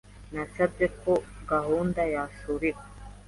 Nasabye ko gahunda yasubikwa.